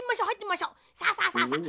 さあさあさあさあ。